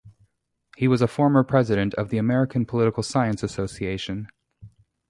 He was a former president of the American Political Science Association.